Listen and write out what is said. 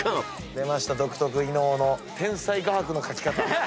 出ました独特伊野尾の天才画伯の描き方。